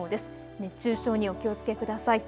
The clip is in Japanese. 熱中症にお気をつけください。